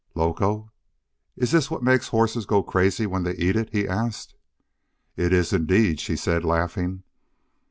"Loco? Is this what makes the horses go crazy when they eat it?" he asked. "It is, indeed," she said, laughing.